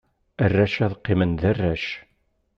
Arrac ad qqimen d arrac.